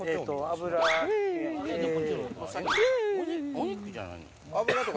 お肉じゃないの？